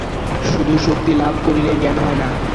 শুধু শক্তি লাভ করিলেই জ্ঞান হয় না।